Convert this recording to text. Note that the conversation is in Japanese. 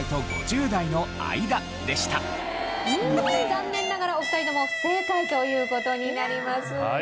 残念ながらお二人とも不正解という事になります。